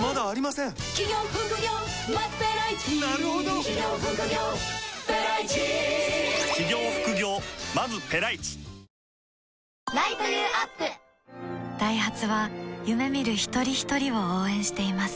うわっ腹減ったダイハツは夢見る一人ひとりを応援しています